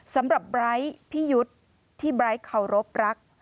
สำหรับไบร์ทพิชยธรณจันทร์ที่ไบร์ทเคารพรัก